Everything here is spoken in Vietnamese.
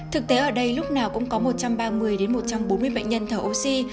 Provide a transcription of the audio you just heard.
thực tế ở đây lúc nào cũng có một trăm ba mươi một trăm bốn mươi bệnh nhân thở oxy